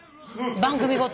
番組ごと。